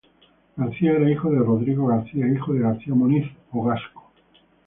García era hijo de Rodrigo García, hijo de Garcia Moniz, o Gasco.